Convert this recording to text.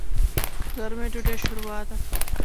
د غرمې ډوډۍ شوروا ده.